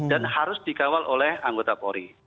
dan harus dikawal oleh anggota pori